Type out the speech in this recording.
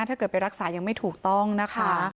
ถ้าเกิดไปรักษายังไม่ถูกต้องนะคะ